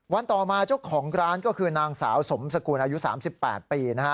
ต่อมาเจ้าของร้านก็คือนางสาวสมสกุลอายุ๓๘ปีนะฮะ